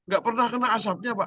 gak pernah kena asapnya pak